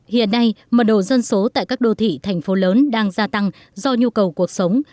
hiện nay mật đồ dân số tại các đô thị thành phố lớn đang gia tăng do nhu cầu cuộc sống